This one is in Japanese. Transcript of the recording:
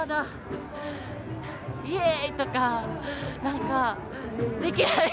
イエイとか何かできないですね。